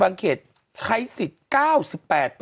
เขตใช้สิทธิ์๙๘